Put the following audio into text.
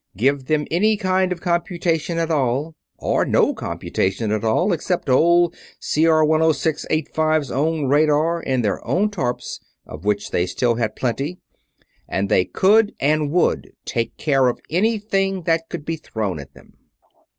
Give them any kind of computation at all or no computation at all except old CR10685's own radar and their own torps, of which they still had plenty and they could and would take care of anything that could be thrown at them.